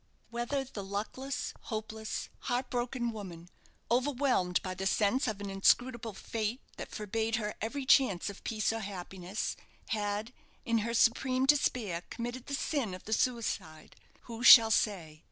Whether the luckless, hopeless, heart broken woman, overwhelmed by the sense of an inscrutable Fate that forbade her every chance of peace or happiness, had, in her supreme despair, committed the sin of the suicide, who shall say?